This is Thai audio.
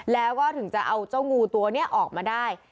แล้วก็ถึงจะเอาเจ้างูตัวนี้ออกมาได้